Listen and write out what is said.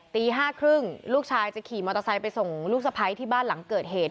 ตี๕๓๐ลูกชายจะขี่มอเตอร์ไซค์ไปส่งลูกสะพ้ายที่บ้านหลังเกิดเหตุ